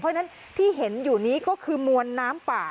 เพราะฉะนั้นที่เห็นอยู่นี้ก็คือมวลน้ำป่า